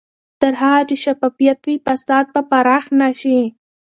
تر هغه چې شفافیت وي، فساد به پراخ نه شي.